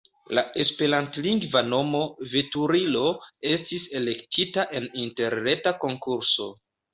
La esperantlingva nomo "Veturilo" estis elektita en interreta konkurso.